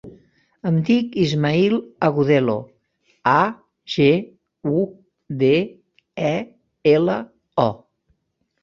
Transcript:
Em dic Ismaïl Agudelo: a, ge, u, de, e, ela, o.